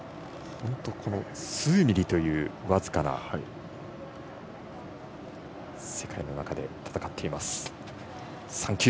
数ミリという僅かな世界の中で戦っています。